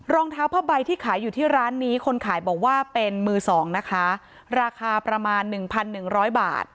รองเท้าผ้าใบที่ขายอยู่ที่ร้านนี้คนขายบอกว่าเป็นมือสองนะคะราคาประมาณหนึ่งพันหนึ่งร้อยบาท